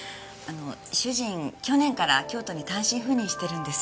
主人去年から京都に単身赴任してるんです。